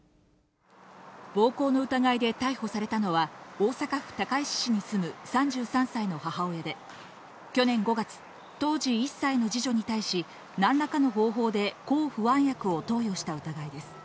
暴行の疑いで逮捕されたのは、大阪府高石市に住む３３歳の母親で、去年５月、当時１歳の次女に対し、なんらかの方法で抗不安薬を投与した疑いです。